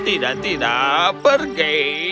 tidak tidak tidak pergi